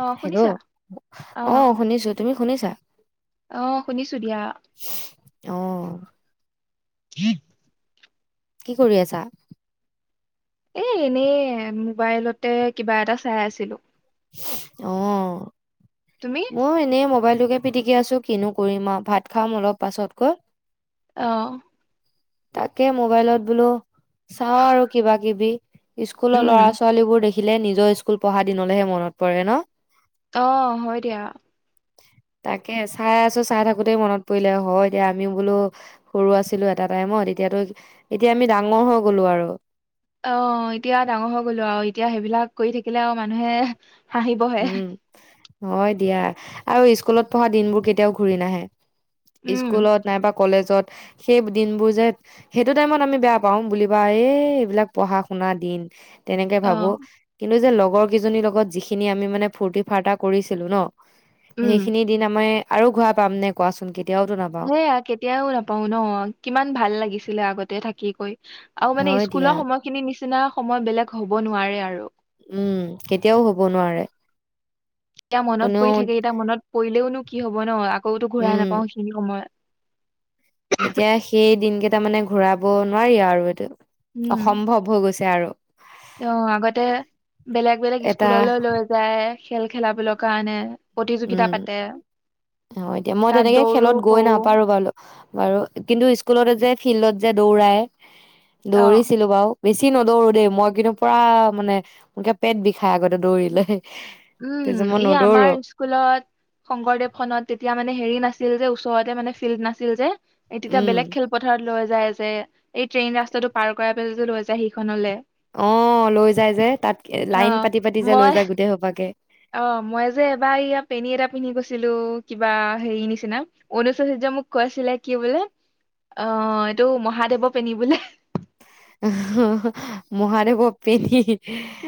অ শুনিছা হেল্ল' অ শুনিছো তুমি। শুনিছা। অহ শুনিছো দিয়া। অ' ় [unintelligible] কি কৰি আছা। এ এনেই মোবাইলতে কিবা এটা চাই আছিলো। অহ। তুমি মই এনেই মোবাইলত। সটোকে পিটিকি আছো কিনো কৰিমা ভাত খাম অলপ পাছতকৈ। অহ। তাকে মোবাইলত বোলো চাও আৰু কিবা কিবি। স্কুলৰ উম ল'ৰা ছোৱালী বোৰ দেখি। দেখিলে নিজৰ স্কুল পঢ়া দিনলৈহে মনত পৰে ন। অ হয় দিয়া। তাকে চাই আছো চাই থাকোতেই মনত পৰিলে হয় এতিয়া আমিও বোলো সৰু আছিলো এটা। টাইমত এতিয়াতো এতিয়া আমি ডাঙৰ হৈ গ'লো আৰু। অ এতিয়া ডাঙৰ হৈ গলো আৰু এতিয়া সেইবিলাক কৰি থাকিলে আৰু মানুহে। হাঁহিবহে উম। হয় দিয়া আৰু স্কুলত পঢ়া দিনবোৰ কেতিয়াও ঘূৰি নাহে। উম স্কুলত নাইবা। কলেজত সেই দিনবোৰ যে সেইটো টাইমত আমি বেয়া পাওঁও বুলিবা এই এইবিলাক পঢ়া শুনা দিন। তেনেকে অ ভাবো কিন্তু যে লগ। লগৰ কেইজনীৰ লগত যি। খিনি আমি মানে ফূুৰ্ত ফাৰ্ত কৰিছিলো ন। উম সেইখিনি দিন আমাৰ। আৰু ঘৰা পাম নে কোৱাচোন কে। সেয়া কেতিয়াও নাপাও ন কিমান ভাল লাগিছিলে আগতে থাকি। কৈ আৰু মানে হয় দিয়া স্কুলৰ সময়খিনি নি নিচিনা সময় বেলেগ হ'ব নোৱাৰে আৰু উম কেতিয়াও হব নোৱাৰে। এতিয়া মনত কোনেও পৰি থাকে এতিয়া মনত পৰিলেওনো কি হব ন আকৌতো ঘূৰাই উম নাপাও সেইখিনি সময়ত এতিয়া সেই দিনকেইটা মানে ঘূৰাব নোৱাৰি আৰু এইটো অসম্ভৱ হৈ গৈছে আৰু অহ আগতে বেলেগ বেলেগ এটা স্কুললৈ লৈ যায় খেল খেলাবলৈ কাৰণে প্ৰতিযোগিতা উম পাতে অ এতিয়া মই তাত তেনেকে দৌৰো খেলত গৈ কৰো নাপাৰো বাৰু বাৰু কিন্তু স্কুলত যে ফিল্ডত যে দৌৰাই অ দৌৰিছিলো বাও বেছি নদৌৰো দেই মই কিন্তু পুৰা মানে সনকে পেট বিষাই আগতে দৌৰিলে উম তাৰপিছত মই ই নদৌৰো আমাৰ স্কুলত শংকৰদেৱ খনত তেতিয়া মানে হেৰি নাছিল যে ওচৰতে মানে ফিল্ড নাছিল যে এ তেতিয়া উম বেলেগ খেলপথাৰত লৈ যায় যে এই ট্ৰেইন ৰাস্ত টো পাৰ কৰাই পেলায় লৈ যায় সিখনলে অ লৈ যায় যে তাত অ লাইন পাতি পাতি যে লৈ মই যায় গোটেই সোপাকে অ মই যে এবাৰ ইয়া পেনী এটা পিন্ধি গৈছিলো কিবা হেৰি নিচিনা অনুচচাৰ্য মোক কৈছিলে কি বোলে অ এইটো মহাদেৱৰ পেনী বোলে মহাদেৱৰ পেনী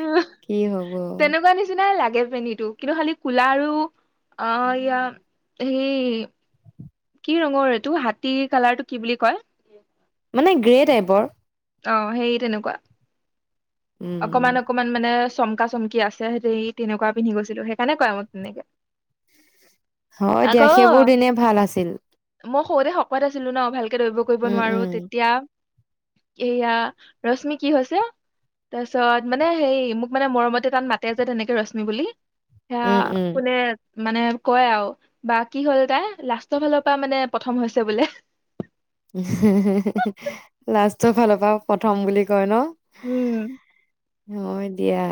উ কি হব তেনেকুৱা নিচিনাই লাগে লাগে পেনীটো কিন্তু খালি কুলা আৰু অ ইয়া সেই কি ৰঙৰ এইটো হাতী কালাৰটো কি বুলি কয় মানে গ্ৰে টাইপৰ অ সেই তেনেকুৱা উম অকমান অকমান মানে চমকা চমকি আছে সেই তেনেকুৱা পিন্ধি গৈছিলো সেইকাৰণে কয় মোক তেনেকে হয় দিয়া আকৌ সেইবোৰ দিনে ভাল আছিল মই সৰুতে শকত আছিলো ন ভাল কে দৰিব কৰিব উম নোৱাৰো উম তেতিয়া এয়া ৰশ্মি কি হৈছে তাৰপিছত মানে সেই মোক মানে মৰমতে তাত মাতে যে তেনেকে ৰশ্মি বুলি সেয়া উম উম কোনে মানে কয় আৰু বা কি হ'ল তাই লাষ্টৰ ফালৰ পৰা মানে প্ৰথম হৈছে বোলে লাষ্টৰ ফালৰ পৰা প্ৰথম বুলি কয় ন উম। হয় দিয়া।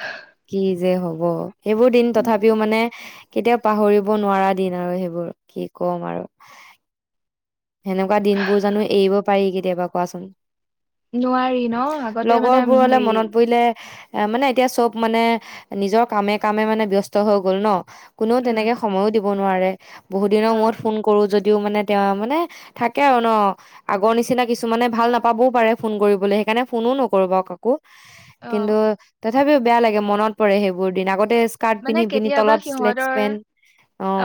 হা। কি যে হ'ব। সেইবোৰ দিন তথাপিও মানে কেতিয়াও পাহৰিব নোৱাৰা দিন আৰু সেইবোৰ কি কম আৰু। সেনেকুৱা দিনবোৰ জানো এৰিব পাৰি কেতিয়াবা কোৱাচোন? নোৱাৰি ন আগতে মানে লগৰবোৰলে হেৰি মনত পৰিলে এ মানে এতিয়া চব মানে, নিজৰ কামে কামে মানে ব্যস্ত হৈ গল ন। কোনেও উম তেনেকে সময়ো দিব দিব নোৱাৰে। বহুতদিনৰ অ মূৰত ফোন কৰো যদি দিও মানে তেওঁ মানে থাকে আৰু ন, আগৰ নিচিনা কিছুমানে ভাল নাপাবও পাৰে ফোন কৰিবলৈ সেইকাৰণে ফোনো নকৰো বা কাকো। অ কিন্তু তাত তথাপিও বেয়া লাগে মনত পৰে সেইবোৰ দিন আগত মানে কেতিয়াবা সিহঁতৰ,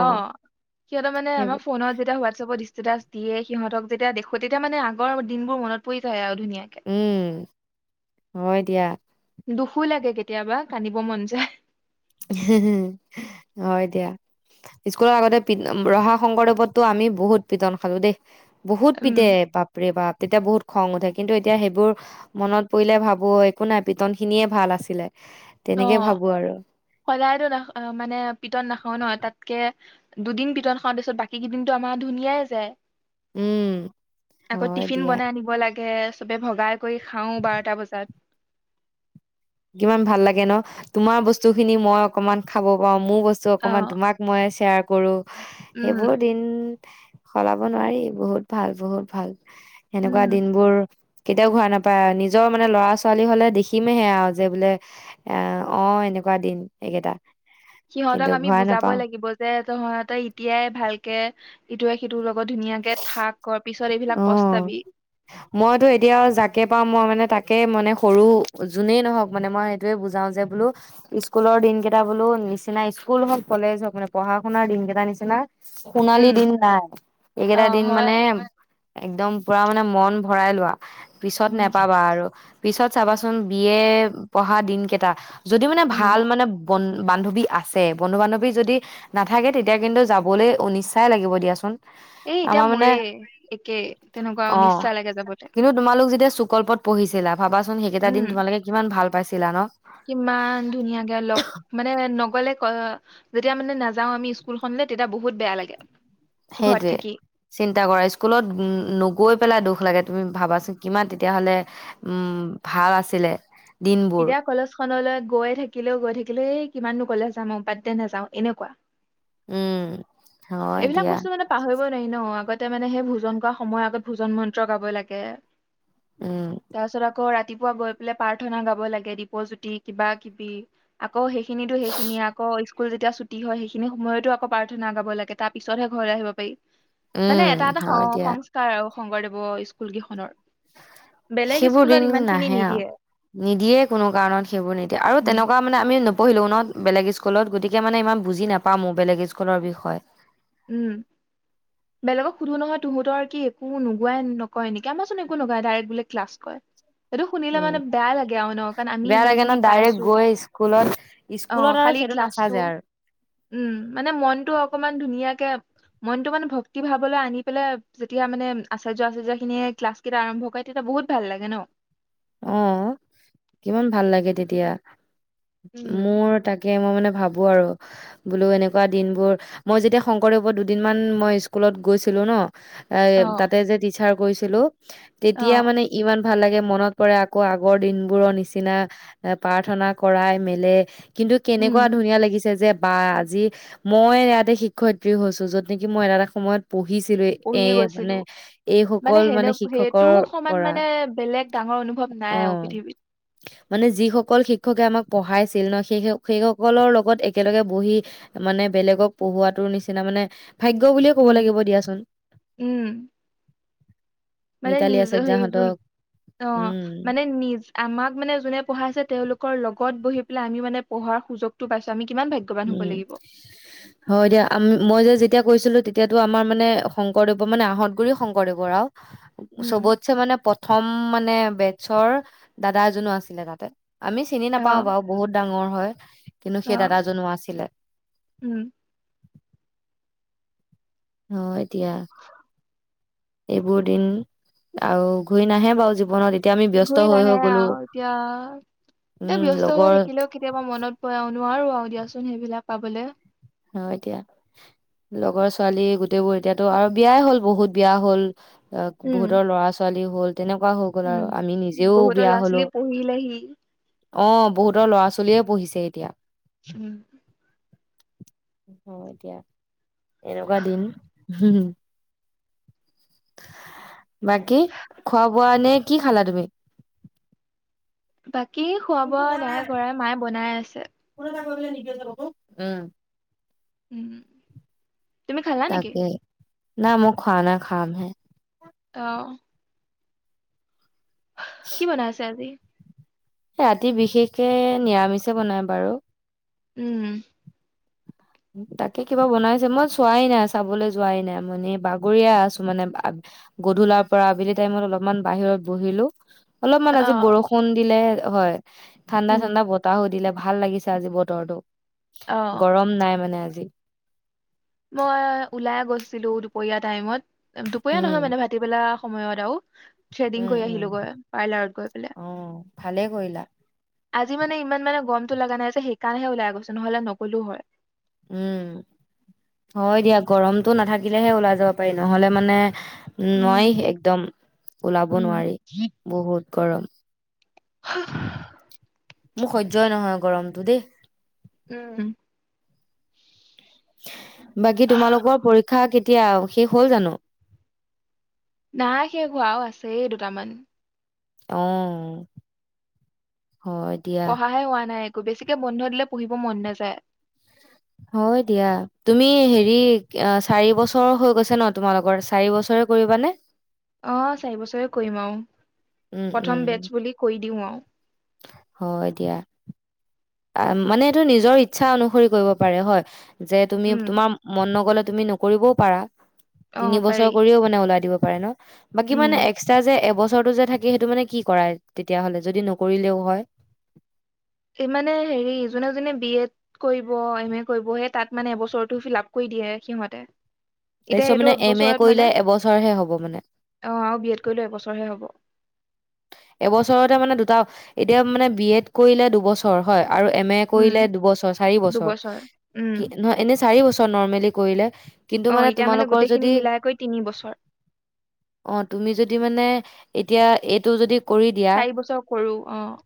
অ সিহঁতৰ মানে আমাৰ সেইবোৰ ফোনত যেতিয়া হোৱাটছএপত দিছে যেতিয়া দিয়ে সিহঁতক যেতিয়া দেখো তেতিয়া মানে আগৰ দিনবোৰ মনত পৰি যায় আৰু। ধুনীয়াকে উম, হয় দিয়া। দুখো লাগে কেতিয়াবা কান্দিব মন যায়। হুউ হয় দিয়া, স্কুলৰ আগতে ৰহা শংকৰদেৱতটো আমি বহুত পিটন খালো দেই। বহুত উম পিটে, বাপ ৰে বাপ তেতিয়া বহুত খং উঠে কিন্তু এতিয়া সেইবোৰ মনত পৰিলে ভাবো একো নাই পিটন খিনিয়ে ভাল আছিলে। অ তেনেকে ভাবো আৰু। সদায়তো ন মানে পিটন নাখাও ন তাতকে দুদিন পিটন খাওঁ তাৰ পিছত বাকী কেইদিনো আমাৰ ধুনীয়াই যায়। উম আকৌ হয় টিফিন দিয়া বনাই আনিব লাগে। চবে ভগাই কৰি খাওঁ, বাৰটা বজাত। কিমান ভাল লাগে ন তোমাৰ বস্তু খিনি মই অকমান খাব পাওঁ মোৰ বস্তু অ অকণমান তোমাক মই শ্বেয়াৰ কৰোঁ। উম এইবোৰ দিন সলাব নোৱাৰি বহুত ভাল, বহুত ভাল। সেনেকুৱা উম দিনবোৰ কেতিয়াও ঘূৰা নাপায় আৰু নিজৰ মানে ল'ৰা ছোৱালী হলে দেখিমেহে আৰু যে বোলে অ, অ এনেকুৱা দিন এইকেইটা সিহঁতক কিন্তু আমি ঘূৰাই বুজাবই নাপাও লাগিব যে তহঁতে এতিয়াই ভালকে ইটোৱে সিটো লগ ধুনীয়াকে থাক পিছত এইবিলাক অ পস্তাবি মইতো এতিয়া জাকে পাওঁ মই মানে তাকে মানে সৰু যোনেই নহওঁক মানে মই সেইটোৱে বুজাও যে বোলো স্কুলৰ দিনকেইটা বোলো নিচিনা স্কুল হওঁক কলেজ হওঁক মানে পঢ়া শুনাৰ দিন কেইটা নিচিনা সোণালী উম দিন নাই অ এইকেইটা দিন হয় মানে একদম পুৰা মানে মন ভৰাই লোৱা। পিছত উম নেপাবা আৰু। পিছত চাবাচোন বি এ পঢ়া দিনকেইটা। যদি মানে উম ভাল মানে বন বান্ধৱী আছে বন্ধু বান্ধৱী যদি নাথাকে তেতিয়া কিন্তু যাবলৈ অনিশ্চাই লাগিব দিয়াচোন। এ এতিয়া আমাৰ মানে মোৰে কে তেনেকোৱাও অ অনিচ্ছা লাগে যাবলে। কিন্তু তোমালোক যেতিয়া চুকল্পত পঢ়িছিলা। ভাবাচোন সেইকেইটা দিন উম তোমালোকে কিমান ভাল পাইছিলা ন কিমান ধুনীয়াকে লগ মানে ক'লে যেতিয়া মানে নাযাওঁ আমি স্কুলখনলে তেতিয়া বহুত বেয়া লাগে। ঘৰত সেইটোয়ে থাকি চিন্তা কৰা স্কুলত নগৈ পেলাই দুখ। দুখ লাগে তুমি ভাবাচোন কিমান তেতিয়া হ'লে উম ভাল আছিলে দিনবোৰ এতিয়া কলেজ খনলৈ গৈ থাকিলেও গৈ থাকিলেও এই কিমান নু কলেজ যাম বাদদে নাযাও এনেকোৱা উম হয় এইবিলাক দিয়া বস্তু মানে পাহৰি ব নোৱাৰি ন আগতে মানে সেই ভোজন কৰা সময়ৰ আগত ভোজন মন্ত্ৰ গাবই লাগে উম তাৰপাছত আকৌ ৰা ৰাতিপুৱা গৈ পেলাই প্ৰাৰ্থনা গাব লাগে দীপ জ্যোতি কিবা কিবি আ আকৌ সেইখিনিতো সেইখিনি আকৌ স্কুল যেতিয়া ছুটী হয় সেইখিনি সময়তো আকৌ প্ৰাৰ্থনা গাব লাগে। এটা পিছতহে ঘৰলৈ আহিব পাৰি। মানে উম, এটা এটা হয় দিয়া। সংস্কাৰ আৰু শংকৰদেৱৰ স্কুল কিখনৰ। সেইবোৰ দিন নাহে আও নিদিয়ে নিদিয়ে কোনো কাৰণত সেইবোৰ নিদিয়ে আৰু উম তেনেকোৱা মানে আমি। নপঢ়িলো ন বেলেগ স্কুলত গতিকে মানে ইমান বুজি নাপাম বেলেগ স্কুলৰ বিষয়ে। উম বেলেগক সুধো নহয় তোহোতৰ কি একো নোগোৱাই নকয় নেকি আমাৰচোন একো নোগোৱাই ডাইৰেক্ট বোলে ক্লাছ কৰে। এইটো শুনিলে উম, মানে বেয়া লাগে আৰু ন'। কাৰণ, আমি বেয়া ইমান লাগে ন খিনি ডাইৰেক্ট পাইছোঁ। গৈ স্কুলত স্কুলত অ'! আৰু খালি সেইটো ক্লাছটো নাচাযে আৰু। উম, মানে মনটো অকমান ধুনীয়া মনটো মানে, ভক্তি ভাৱলৈ আনি পেলাই যেতিয়া মানে, আচাৰ্য, আচাৰ্য খিনিয়ে ক্লাছ কেইটা আৰম্ভ কৰে তেতিয়া বহুত ভাল লাগে ন'! অ'! কিমান ভাল লাগে তেতিয়া। উম মোৰ তাকে মই মানে ভাবোঁ আৰু বোলো এনেকুৱা দিনবোৰ, মই যেতিয়া শংকৰদেৱৰ দুদিনমান মই স্কুলত গৈছিলোঁ ন। এ অ' তাতে যে টিচাৰ গৈছিলোঁ। তেতিয়া অ' মানে ইমান ভাল লাগে মনত আকৌ আগৰ দিনবোৰৰ নিচিনা প্ৰাৰ্থনা কৰাই মেলে। কিন্তু কেনেকুৱা উম ধুনীয়া লাগিছে যে বা আজি মই ইয়াতে শিক্ষয়িত্ৰী হৈছো য'ত নেকি মই এটা এটা সময়ত পঢ়িছিলো এ পঢ়ি মানে গৈছিলো এইসকল সেনে মানে সেইটো শিক্ষকৰ সমান পৰা মানে বেলেগ ডাঙৰ অনুভৱ নাই আও অ পৃথিৱীত। মানে যিসকল শিক্ষকে আমাক পঢ়াইছিল ন সেই সেই সকলৰ লগত একেলগে বহি মানে বেলেগক পঢ়োৱাটোৰ নিচিনা মানে ভাগ্য বুলিয়ে ক'ব উম লাগিব দিয়াচোন। উম মানে মিতালী নিজ হেৰি যোন আচাৰ্যাহঁতক। অ মানে নি আমাক মানে যোনে পঢ়াইছে তেওঁলোক। লগত বহি পেলাই আমি মানে পঢ়াৰ সুযোগটো পাইছো আমি কিমান ভাগ্যৱান হ'ব উম লাগিব। হয় দিয়া আমি মই যে তেতিয়া কৈছিলো তেতিয়াতো আমাৰ মানে শংকৰদেৱৰ মানে আহঁত গুৰি শংকৰদেৱৰ আও হা হা বা উম চবতছে মানে প্ৰথম মানে মানে বেটছৰ দাদা এজনো আছিলে তাতে আমি চিনি নাপাওঁ অ' বাৰু বহুত ডাঙৰ হয়। কিন্তু সেই অ' দাদাজন জনোৱা আছিলে। উম। অ এতিয়া এইবোৰ দিন আৰু ঘূৰি নাহে বাৰু জীৱনত এতিয়া আমি ব্যস্ত ঘূৰি হৈ নাহে হৈ গ'লো আৰু এতিয়া এতিয়া উম ব্যস্ত হৈ লগৰ থাকিলেও কেতিয়াবা মনত পৰে অ নোৱাৰো আৰু দিয়াচোন সেইবিলাক পাবলে। অ এতিয়া আহ লগৰ ছোৱালী গোটেইবোৰ এতিয়াতো আৰু বিয়াই হ'ল বহুত বিয়া হ'ল। অ উম। বহুতৰ ল'ৰা ছোৱালীও তেনেকুৱা হৈ গল আৰু উম, আমি নিজেও বহুতৰ বিয়া ল'ৰা হলোঁ, ছোৱালী পঢ়িলেহি। অ বহুতৰ ল'ৰা-ছোৱালীয়ে পঢ়িছে এতিয়া। উম। অ এতিয়া এনেকুৱা দিন হুহু আহ বাকি খোৱা ব পোৱা নে কি খালা তুমি? [unintelligible] কি খুৱাব, নাই কৰাই মায়ে বনাই আছে। [unintelligible] উম! তুমি খালা নেকি? নাই মই খোৱা নাই খাম হে। অ'! কি বনাই আছে আজি? ৰাতি বিশেষকে নিৰামিষে বনাই বাৰু। উম! তাকে কিবা বনাইছে। মই চোৱাই নাই, চাবলৈ যোৱাই নাই। মই বাগৰিয়ে আছোঁ মানে। গধূলাৰ পৰা আবেলি টাইমত অলপমান বাহিৰত বহিলোঁ। অলপমান আজি অ', বৰষুণ দিলে। হয়। ঠাণ্ডা, উম। ঠাণ্ডা বতাহো দিলে। ভাল লাগিছে আজি বতৰটো। অ', গৰম নাই। মানে, আজি মই ওলাই গৈছিলোঁ দুপৰীয়া টাইমত। দুপৰীয়া উম নহয় মানে, [unintelligible] বেলা। সময়ত আও থ্ৰেডিং উম কৰি উম আহিলোঁ গৈ। পাৰ্লাৰত গৈ পেলাই। অ ভালে কৰিলা! আজি মানে, ইমান মানে গৰম লগা নাই যে, সেইকাৰণেহে ওলাই গৈছোঁ নহ'লে নগ'লো হয়। উ, হয় দিয়া। গৰমটো নাথাকিলেহে ওলাই যাব পাৰি। নহ'লে মানে উম, নোৱাৰি উম, একদম, ওলাব উম। নোৱাৰি বহুত! [unintelligible] হা! মোৰ সহ্যই নহয় গৰমটো দেই। উম! বাকী তোমালোকৰ পৰীক্ষা কেতিয়া শেষ হ'ল, জানোঁ? নাই। সেই হোৱাও আছে দুটামান। অ হয় দিয়া, পঢ়াই হোৱা নাই একো বেছিকে বন্ধ দিলে পঢ়িব মন নাযায় হয় দিয়া তুমি হেৰি অ চাৰি বছৰ হৈ গৈছে ন তোমালোগৰ চাৰি বছৰে কৰিবানে অ চাৰি বছৰে কৰিম আৰু উম, উম, প্ৰথম বেটছ বুলি কৈ দিও আৰু হয় দিয়া। মানে এইটো নিজৰ ইচ্ছা অনুসৰি কৰিব পাৰে হয়। যে তুমি উম, তোমাৰ মন নগ'লে তুমি নকৰিবও পাৰা তিনি অ', পাৰি বছৰ কৰিও মানে ওলাই দিব প পাৰে ন বাকী উম, মানে এক্সটা যে এবছৰ বছৰটো যে থাকে সেইটো মানে কি কৰাই, তেতিয়া হ'লে যদি নকৰিলেও হয় এই মানে হেৰি যোনে যোনে বি এড কৰিব, এম এ কৰিব সেই তাত মানে এবছৰটো ফিল আপ কৰি দিয়ে সিহঁতে। এতিয়া তাৰপিছত এইটো মানে এম এ এবছৰত কৰিলে মানে এবছৰহে হ'ব মানে। অ' আৰু বি এড কৰিলেও এবছৰহে হ'ব এবছৰতে মানে দুটা এতিয়া মানে বি এড কৰিলে দুবছৰ হয়। আৰু এম এ উম, কৰিলে দুবছৰ, চাৰি বছৰ দুবছৰ উম, কি নহয় এনে চাৰি বছৰ নৰ্মেলি কৰিলে কিন্তু অ', মানে এতিয়া তোমালোকৰ গোটেইখিনি যদি মিলাই কৰি তিনি বছৰ। অ' তুমি যদি মানে এতিয়া এই তো যদি কৰি দিয়া চাৰি বছৰ কৰো অ',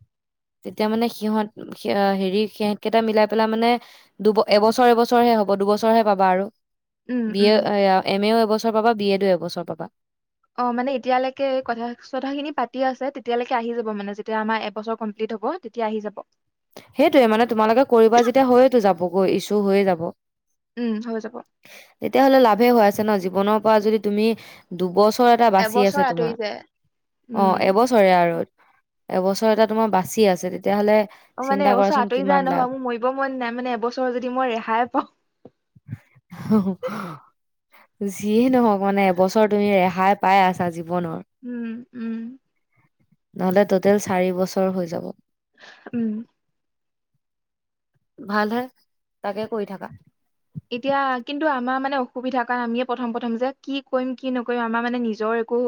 তেতিয়া মানে সিহঁত স হেৰি সিহঁতকেইটা মিলাই পেলাই মানে দুব এবছৰ, এবছৰ হে হ'ব দুবছৰ হে পাবা আৰু উম, B A, um. M A এবছৰ পাবা বিএডো এবছৰ পাবা অ' মানে এতিয়ালৈকে এই কথা চথাখিনি পাতি আছে, তেতিয়া লৈকে আহি যাব মানে, যেতিয়া আমাৰ এবছৰ কমপ্লেট হ'ব, তেতিয়া আহি যাব। গৈ ইছ্যু হৈয়ে যাব। উম হৈ যাব তেতিয়া হ'লে লাভে হোৱা জান জীৱনৰ পৰা যদি তুমি দুবছৰ বছৰ এটা বাচি আছে এবছৰ তোমাৰ আঁতৰি যায় উম অ' এবছৰে আৰু এবছৰ এটা তোমাৰ বাছি আছে তেতিয়া হ'লে অ' মানে এবছৰ আঁতৰি যায় নহয়, মোৰ মৰিব মন নাই মানে এবছৰৰ যদি মই ৰেহাই পাওঁ যিয়ে নহওক মানে এবছৰ তুমি ৰেহাই পাই আছা জীৱনত উম-উম। নহ'লে ট'টেল চাৰি বছৰ হৈ যাব। উম। ভাল হে, তাকে কৰি থাকা। এতিয়া কিন্তু আমাৰ মানে অসুবিধা কাৰণে আমিয়ে প্ৰথম প্ৰথম যে কি কৰিম, কি নকৰিম আমাৰ মানে নিজৰ একো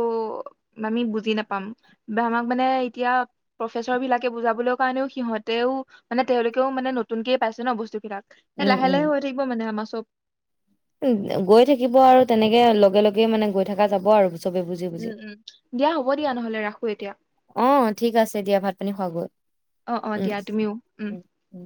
আমি বুজি নাপাম, বা আমাক মানে এতিয়া প্ৰফেচৰ বিলাকে বুজাবলৈ কাৰণেও সিহঁতেও মানে তেওঁলোকেও মানে নতুনকে পাইছে ন বস্তু বিলাক হে উম লাহে উম লাহে হৈ থাকি যে আমাৰ চব উম গৈ থাকিব আৰু তেনেকে লগে লগে মানে গৈ থকা যাব আৰু চবে বুজি উম বুজি, উম দিয়া হ'ব দিয়া নহ'লে ৰাখো এতিয়া অঁ ঠিক আছে দিয়া ভাত পানী খোৱা গৈ, অ অ উম দিয়া তুমিও উম উম।